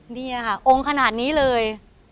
นี่ค่ะองค์ขนาดนี้เลย